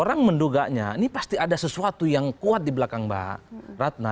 orang menduganya ini pasti ada sesuatu yang kuat di belakang mbak ratna